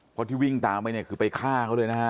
เพราะที่วิ่งตามไปเนี่ยคือไปฆ่าเขาเลยนะฮะ